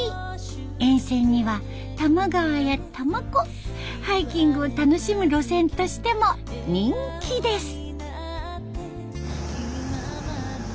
沿線には多摩川や多摩湖ハイキングを楽しむ路線としても人気です。